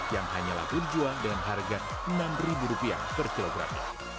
yang hanyalah berjual dengan harga rp enam per kilogram